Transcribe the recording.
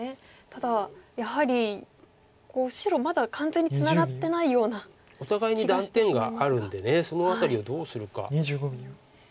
ただやはり白まだ完全にツナがってないような。お互いに断点があるんでその辺りをどうするか。